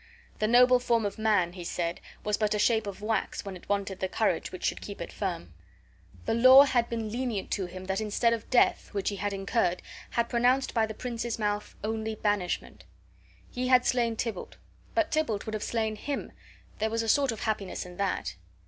The noble form of man, he said, was but a shape of wax when it wanted the courage which should keep it firm. The law had been lenient to him that instead of death, which he had incurred, had pronounced by the prince's mouth only banishment. He had slain Tybalt, but Tybalt would have slain him there was a sort of happiness in that.